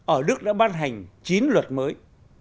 ở đức đã ban hành chín luật mới